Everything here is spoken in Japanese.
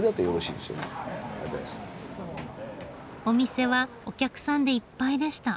お店はお客さんでいっぱいでした。